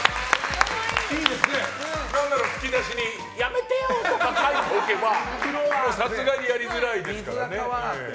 何なら吹き出しにやめてよ！って書いておけばさすがにやりづらいですからね。